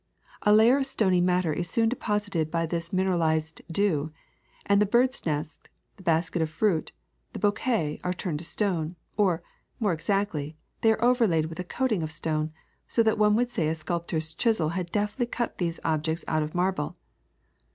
A layer of stony matter is soon deposited by this mineralized dew, and the birds' nest, the basket of fruit, the bouquet are turned to stone, or, more exactly, they are overlaid with a coating of stone, so that one would say a sculptor's chisel had deftly cut these objects out of marble.